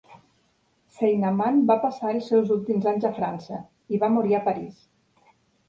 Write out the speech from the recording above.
Saint-Amant va passar els seus últims anys a França; i va morir a París.